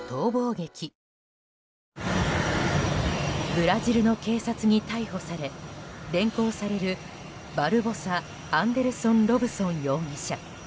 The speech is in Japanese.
ブラジルの警察に逮捕され連行されるバルボサ・アンデルソン・ロブソン容疑者。